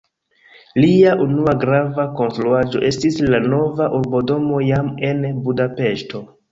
Lia unua grava konstruaĵo estis la nova urbodomo jam en Budapeŝto.